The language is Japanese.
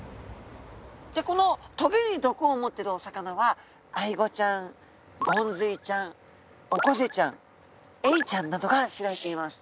でこの棘に毒を持っているお魚はアイゴちゃんゴンズイちゃんオコゼちゃんエイちゃんなどが知られています。